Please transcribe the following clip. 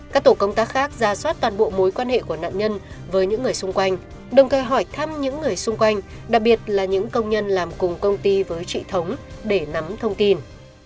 các tổ công tác khác ra soát toàn bộ mối quan hệ của nạn nhân với những người xung quanh đồng thời hỏi thăm những người xung quanh đặc biệt là những công nhân làm cùng công ty với chị thống để nắm thông tin